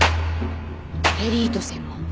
エリート専門。